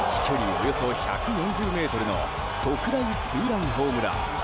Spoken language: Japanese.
およそ１４０ｍの特大ツーランホームラン。